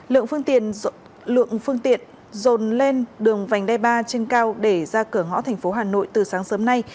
lượng phương tiện dồn lên đường vành đe ba trên cao để ra cửa ngõ thành phố hà nội từ sáng sớm nay